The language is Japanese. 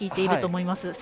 聞いていると思います。